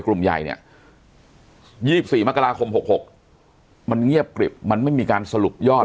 กลุ่มใหญ่เนี่ย๒๔มกราคม๖๖มันเงียบกริบมันไม่มีการสรุปยอด